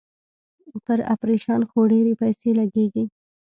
پر اپرېشن خو ډېرې پيسې لگېږي.